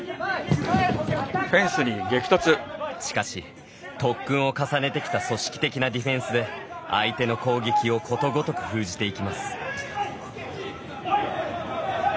しかし、特訓を重ねてきた組織的なディフェンスで相手の攻撃をことごとく封じていきます。